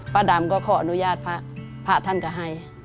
ประดำก็ขออนุญาตพระท่านก็ให้